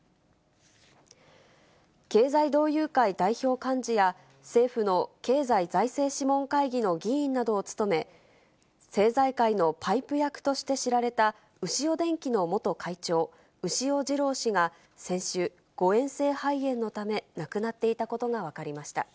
経済同友会代表幹事や、政府の経済財政諮問会議の議員などを務め、政財界のパイプ役として知られた、ウシオ電機の元会長、牛尾治朗氏が、先週、誤嚥性肺炎のため亡くなっていたことが分かりました。